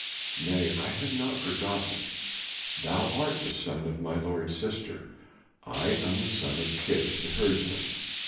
"Nay, I have not forgotten; thou art the son of my lord's sister, I am the son of Kish the herdsman.